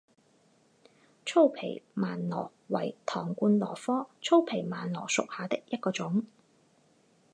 粗皮鬘螺为唐冠螺科粗皮鬘螺属下的一个种。